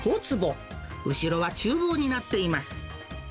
後ろはちゅう房になっています。